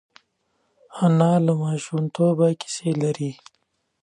انا له ماشومتوبه کیسې لري